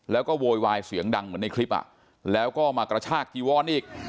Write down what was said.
แล้วก็โวยวายเสียงดังเหมือนในคลิปแล้วก็มากระชากจีวอนอีก